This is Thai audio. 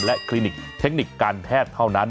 และคลินิกเทคนิคการแพทย์เท่านั้น